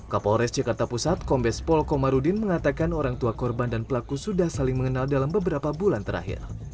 kapolres jakarta pusat kombes pol komarudin mengatakan orang tua korban dan pelaku sudah saling mengenal dalam beberapa bulan terakhir